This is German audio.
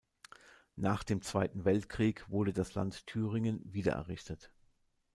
Nach dem Zweiten Weltkrieg wurde das Land Thüringen wiedererrichtet.